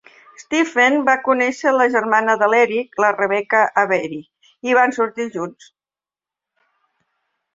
Stephen va conèixer la germana de l'Eric, la Rebecca Avery, i van sortir junts.